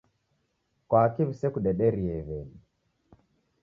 Kwaki w'isekudederie w'eni?